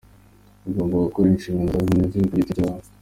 Ugomba gukora inshingano zawe nk’umunyagihugu ku giti cyawe.